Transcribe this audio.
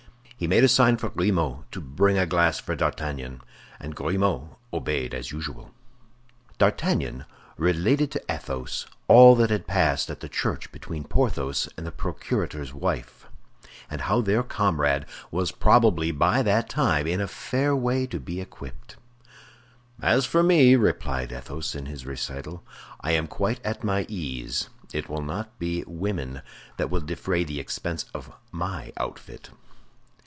He made a sign for Grimaud to bring a glass for D'Artagnan, and Grimaud obeyed as usual. D'Artagnan related to Athos all that had passed at the church between Porthos and the procurator's wife, and how their comrade was probably by that time in a fair way to be equipped. "As for me," replied Athos to this recital, "I am quite at my ease; it will not be women that will defray the expense of my outfit."